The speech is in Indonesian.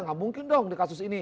nggak mungkin dong di kasus ini